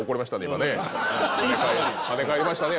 今ね跳ね返りましたね